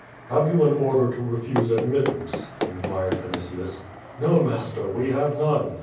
"Have you an order to refuse admittance?" inquired Vini tius. "Xo, master, we have none.